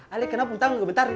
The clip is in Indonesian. ali kenapa kita ga betar nih